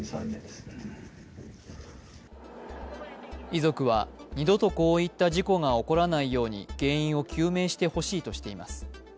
遺族は、二度とこういった事故が起こらないように原因を究明してほしいとしています。